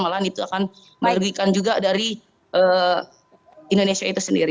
malahan itu akan merugikan juga dari indonesia itu sendiri